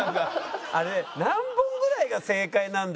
あれ何本ぐらいが正解なんだろう。